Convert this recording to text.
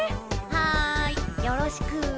はいよろしくぅ。